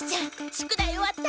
宿題終わった？